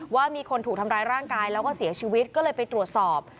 ว่ามีคนถูกทำร้ายร่างกายแล้วก็เสียชีวิตก็เลยไปตรวจสอบ